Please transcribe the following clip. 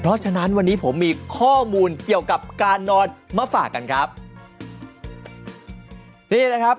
เพราะฉะนั้นวันนี้ผมมีข้อมูลเกี่ยวกับการนอนมาฝากกันครับนี่นะครับ